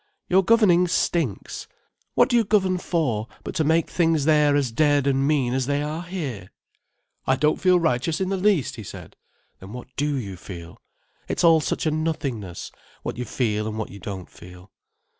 Your governing stinks. What do you govern for, but to make things there as dead and mean as they are here!" "I don't feel righteous in the least," he said. "Then what do you feel? It's all such a nothingness, what you feel and what you don't feel."